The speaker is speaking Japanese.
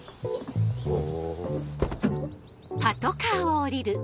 ほう。